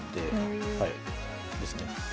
ですね。